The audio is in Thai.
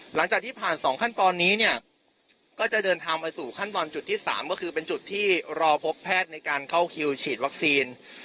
หลังจากที่ผ่าน๒ขั้นตอนนี้เนี่ยก็จะเดินทางมาสู่ขั้นตอนจุดที่๓ก็คือเป็นจุดที่รอพบแพทย์ในการเข้าคิวฉีดวัคซีน